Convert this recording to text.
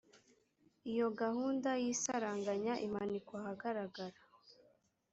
iyo gahunda y’isaranganya imanikwa ahagaragara